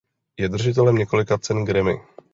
Je držitelem několika cen Grammy.